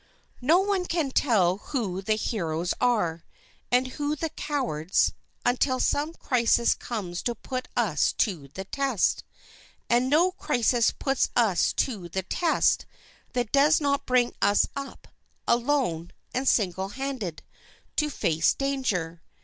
No one can tell who the heroes are, and who the cowards, until some crisis comes to put us to the test. And no crisis puts us to the test that does not bring us up, alone and single handed, to face danger.